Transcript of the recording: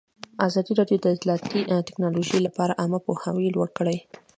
ازادي راډیو د اطلاعاتی تکنالوژي لپاره عامه پوهاوي لوړ کړی.